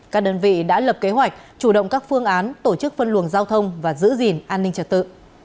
các đơn vị đã lập kế hoạch chủ động các phương án tổ chức phân luồng giao thông và giữ gìn an ninh trật tự